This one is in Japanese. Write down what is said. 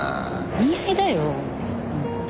お似合いだよ。